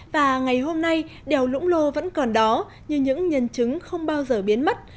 và ngày hôm nay đèo lũng lô vẫn còn đó như những nhân chứng không bao giờ biến mất